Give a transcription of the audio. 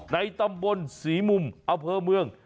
ในตำบลศรีมุมอำเภอเมือง